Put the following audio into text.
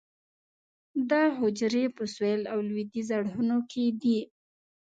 دا حجرې په سویل او لویدیځ اړخونو کې دي.